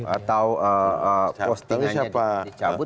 atau postingannya dicabut